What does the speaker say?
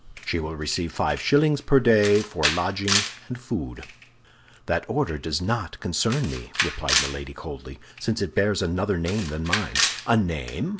She will receive five shillings per day for lodging and food'". "That order does not concern me," replied Milady, coldly, "since it bears another name than mine." "A name?